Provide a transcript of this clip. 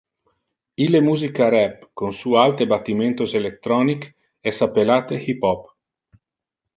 Ille musica rap con su alte battimentos electronic es appellate hip-hop.